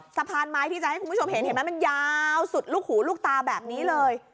สะพานไม้ที่จะให้คุณผู้ชมเห็นเห็นไหมมันยาวสุดลูกหูลูกตาแบบนี้เลย